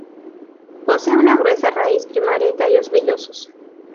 Posee una gruesa raíz primaria y tallos vellosos.